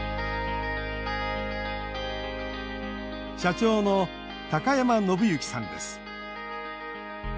社長の高山信行さんです。